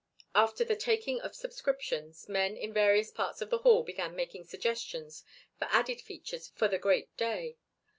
After the taking of subscriptions, men in various parts of the hall began making suggestions for added features for the great day.